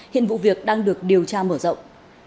hiện vụ việc đang được điều tra mở rộng